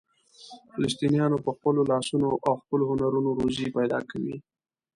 فلسطینیان په خپلو لاسونو او خپلو هنرونو روزي پیدا کوي.